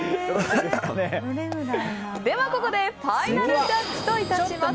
では、ここでファイナルジャッジといたします。